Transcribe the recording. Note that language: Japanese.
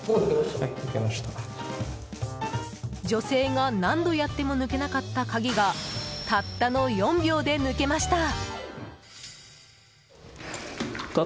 女性が何度やっても抜けなかった鍵がたったの４秒で抜けました。